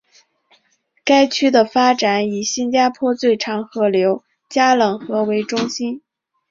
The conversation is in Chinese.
该区的发展以新加坡最长河流加冷河为中心。